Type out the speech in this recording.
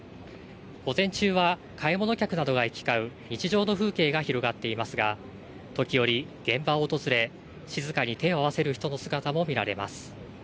午前中は買い物客などが行き交う日常の風景が広がっていますが時折、現場を訪れ静かに手を合わせる人の姿も見られます。